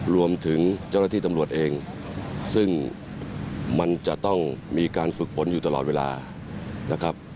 รวมถึงเจ้าหน้าที่ตำรวจเองซึ่งมันจะต้องมีการฝึกฝนอยู่ตลอดเวลานะครับ